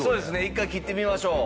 １回切ってみましょう。